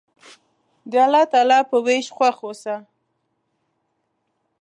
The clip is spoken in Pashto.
د الله تعالی په ویش خوښ اوسه.